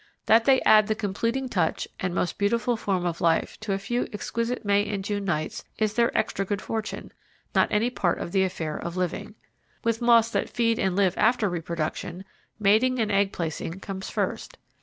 That they add the completing touch and most beautiful form of life to a few exquisite May and June nights is their extra good fortune, not any part of the affair of living. With moths that feed and live after reproduction, mating and egg placing comes first.